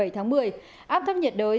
một mươi bảy tháng một mươi áp thấp nhiệt đới